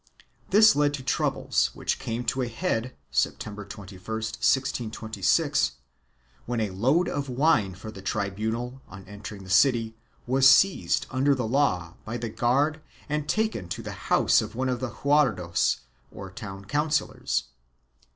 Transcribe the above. This led to troubles which came to a head, September 21, 1626, when a load of wine for the tribunal on entering the city was seized under the law by the guard and taken to the house of one of the jurados or town councillors.